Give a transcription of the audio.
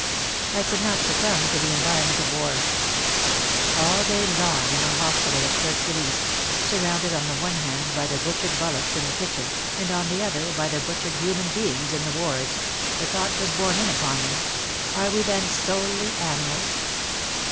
I could not succumb to the environment of war. All day long in our hospital at Kirk Kilisse, surrounded on the one hand by the butchered bullocks in the kitchen, and on the other by the butchered human beings in the wards, the thought was borne in upon me, Are we then solely animals